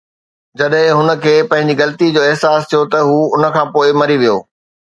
جڏهن هن کي پنهنجي غلطي جو احساس ٿيو ته هو ان کان پوء مري ويو